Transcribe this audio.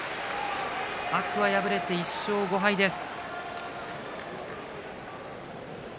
天空海は１勝５敗です。